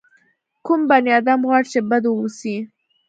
کوم بني ادم غواړي چې بد واوسي.